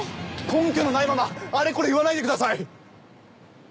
根拠のないままあれこれ言わないでください！